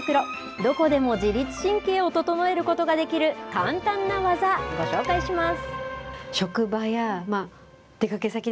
どこでも自律神経を整えることができる簡単な技、ご紹介します。